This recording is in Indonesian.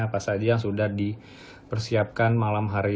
apa saja yang sudah dipersiapkan malam hari